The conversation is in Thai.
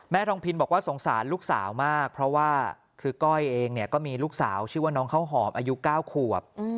ทองพินบอกว่าสงสารลูกสาวมากเพราะว่าคือก้อยเองเนี่ยก็มีลูกสาวชื่อว่าน้องข้าวหอมอายุ๙ขวบ